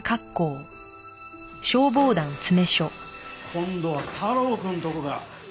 今度は太郎くんとこか。